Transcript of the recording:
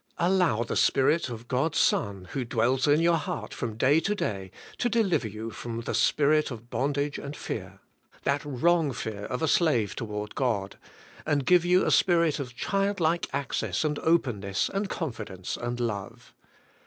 Allow the Spirit of God's Son, who dwells in your heart from day to day, to deliver you from the spirit of bondage and fear — that wrong* fear of a slave toward God — and give you a spirit of child like access and openness and confidence and love.